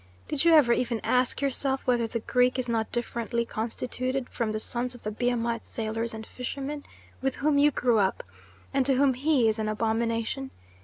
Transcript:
Did you ever even ask yourself whether the Greek is not differently constituted from the sons of the Biamite sailors and fishermen, with whom you grew up, and to whom he is an abomination?